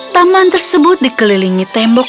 taman tersebut dikelilingi tembok